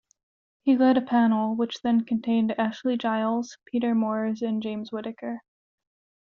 He led a panel, which then contained Ashley Giles, Peter Moores and James Whitaker.